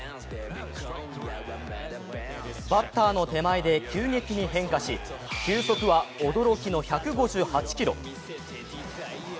バッターの手前で急激に変化し球速は驚きの１５８キロ。